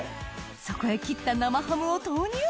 そこへ切った生ハムを投入